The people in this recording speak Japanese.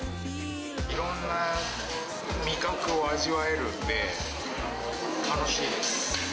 いろんな味覚を味わえるので楽しいです。